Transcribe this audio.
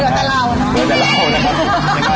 เดี๋ยวแต่เรานะคร้า